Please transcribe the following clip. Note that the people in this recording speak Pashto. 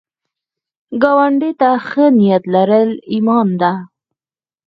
ګاونډي ته ښه نیت لرل ایمان ده